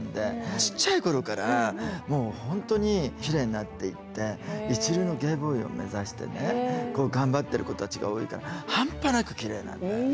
ちっちゃい頃からもう本当にキレイになっていって一流のゲイボーイを目指してねこう頑張ってる子たちが多いから半端なくキレイなんだよね。